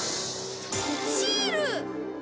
シール！